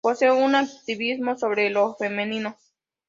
Posee un activismo sobre lo femenino.